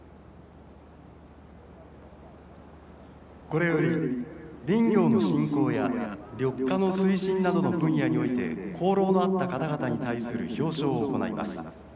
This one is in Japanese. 「これより林業の振興や緑化の推進などの分野において功労のあった方々に対する表彰を行います。